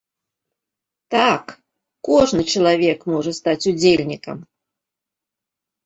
Так, кожны чалавек можа стаць удзельнікам!